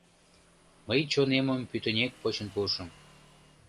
Мый чонемым пӱтынек почын пуышым...